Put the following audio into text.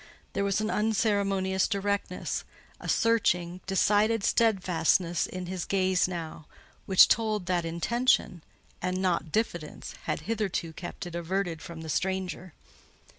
There was an unceremonious directness, a searching, decided steadfastness in his gaze now, which told that intention, and not diffidence, had hitherto kept it averted from the stranger.